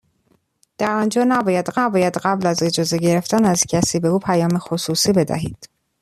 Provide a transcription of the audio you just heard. در آنجا نباید قبل از اجازه گرفتن از کسی، به او پیام خصوصی بدهید.